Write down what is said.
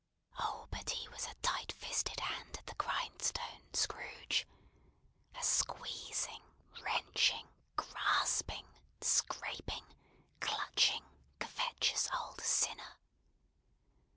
Oh! But he was a tight fisted hand at the grind stone, Scrooge! a squeezing, wrenching, grasping, scraping, clutching, covetous, old sinner!